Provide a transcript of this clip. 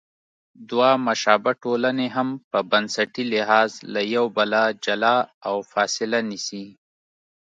دوه مشابه ټولنې هم په بنسټي لحاظ له یو بله جلا او فاصله نیسي.